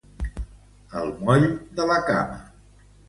El moll de la cama.